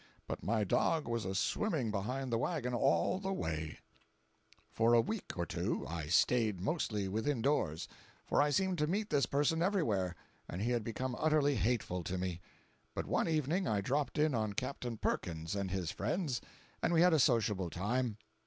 But my dog was a swimming behind the wagon all the way!" 554.jpg (76K) For a week or two I stayed mostly within doors, for I seemed to meet this person everywhere, and he had become utterly hateful to me. But one evening I dropped in on Captain Perkins and his friends, and we had a sociable time.